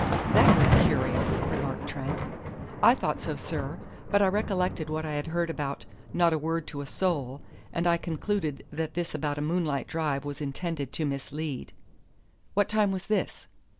"That was curious," remarked Trent. "I thought so, sir. But I recollected what I had heard about 'not a word to a soul,' and I concluded that this about a moonlight drive was intended to mislead." "What time was this?"